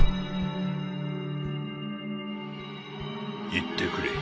行ってくれ。